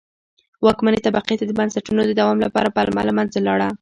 واکمنې طبقې ته د بنسټونو د دوام لپاره پلمه له منځه لاړه.